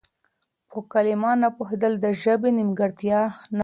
په کلمه نه پوهېدل د ژبې نيمګړتيا نه ده.